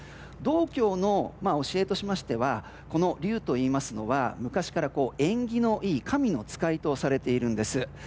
道教の教えとしましてはこの龍というのは昔から縁起のいい神の使いとされているんです。